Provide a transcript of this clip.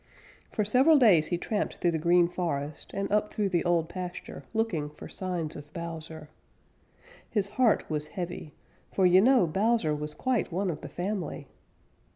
For several days he tramped through the Green Forest and up through the Old Pasture, looking for signs of Bowser. His heart was heavy, for you know Bowser was quite one of the family.